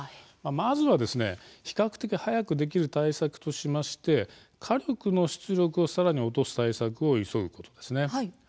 まずはですね比較的早くできる対策としまして火力の出力をさらに落とす対策を急ぐことですね。